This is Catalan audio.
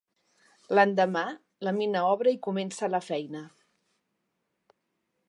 L'endemà, la mina obre i comença la feina.